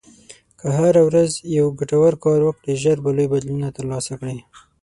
که هره ورځ یو ګټور کار وکړې، ژر به لوی بدلونونه ترلاسه کړې.